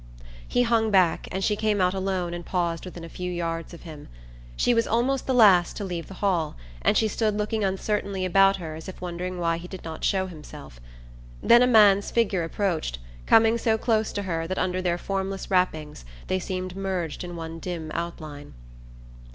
He hung back, and she came out alone and paused within a few yards of him. She was almost the last to leave the hall, and she stood looking uncertainly about her as if wondering why he did not show himself. Then a man's figure approached, coming so close to her that under their formless wrappings they seemed merged in one dim outline.